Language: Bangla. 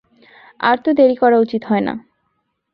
আর তো দেরি করা উচিত হয় না।